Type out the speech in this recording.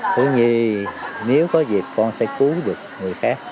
thứ hai nếu có dịp con sẽ cứu được người khác